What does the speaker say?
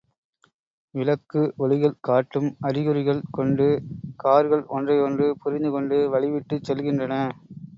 விளக்கு ஒளிகள் காட்டும் அறிகுறிகள் கொண்டு கார்கள் ஒன்றை ஒன்று புரிந்துகொண்டு வழி விட்டுச் செல்கின்றன.